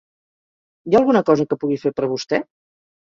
Hi ha alguna cosa que pugui fer per vostè?